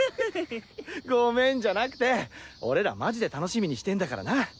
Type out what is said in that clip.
ごめんじゃなくて俺らマジで楽しみにしてんだからな。